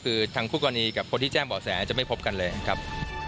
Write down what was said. คือทางคู่กรณีกับคนที่แจ้งบ่อแสจะไม่พบกันเลยครับ